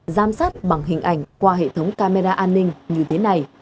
giám sát bằng hình ảnh qua hệ thống camera an ninh như thế này